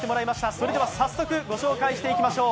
それでは早速ご紹介していきましょう。